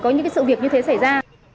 có những sự việc như thế xảy ra